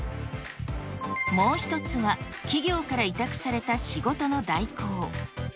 もう一つは、企業から委託された仕事の代行。